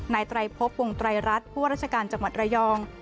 ไตรพบวงไตรรัฐผู้ว่าราชการจังหวัดระยอง